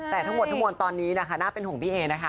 แต่ทั้งหมดทั้งมวลตอนนี้นะคะน่าเป็นห่วงพี่เอนะคะ